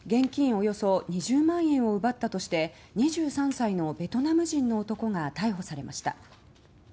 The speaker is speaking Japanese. およそ２０万円を奪ったとして２３歳のベトナム人の男が逮捕されました。